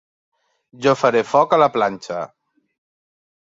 Jo faré foc a la planxa.